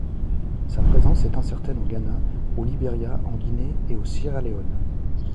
Sa présence est incertaine au Ghana, au Liberia, en Guinée et au Sierra Leone.